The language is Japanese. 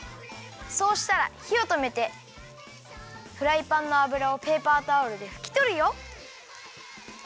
そうしたらひをとめてフライパンのあぶらをペーパータオルでふきとるよ。